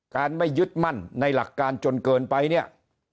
ไม่ยึดมั่นในหลักการจนเกินไปเนี่ย